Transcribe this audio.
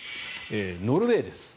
ノルウェーです。